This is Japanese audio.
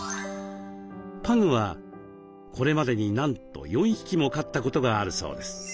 パグはこれまでになんと４匹も飼ったことがあるそうです。